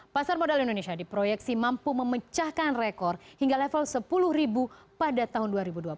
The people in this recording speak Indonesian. pasar modal indonesia diproyeksi mampu memecahkan rekor hingga level sepuluh pada tahun dua ribu dua puluh